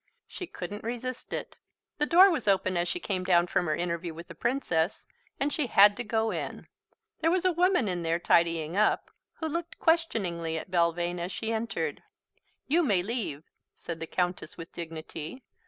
She couldn't resist it. The door was open as she came down from her interview with the Princess, and she had to go in. There was a woman in there, tidying up, who looked questioningly at Belvane as she entered. "You may leave," said the Countess with dignity.